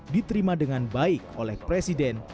diterima dengan baik oleh presiden